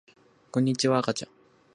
こんにちはあかちゃん